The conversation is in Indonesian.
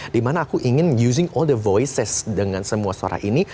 dimana aku ingin musing all the voices dengan semua suara ini